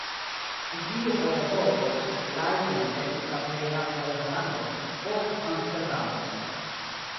En tiu Ora Epoko, Leiden estis la plej granda de Holando, post Amsterdamo.